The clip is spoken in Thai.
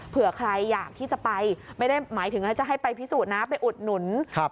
เผื่อใครอยากที่จะไปไม่ได้หมายถึงจะให้ไปพิสูจน์นะไปอุดหนุนครับ